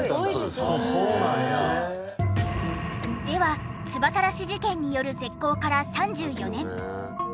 では唾たらし事件による絶交から３４年。